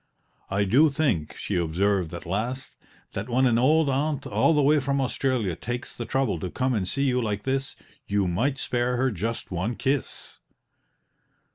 "I do think," she observed at last, "that when an old aunt all the way from Australia takes the trouble to come and see you like this, you might spare her just one kiss!"